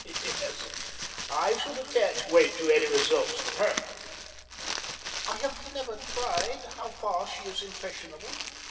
"Yes, I should attach weight to any results from her." "I have never tried how far she is impressionable.